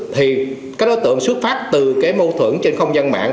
thì các đối tượng xuất phát từ cái mâu thuẫn trên không gian mạng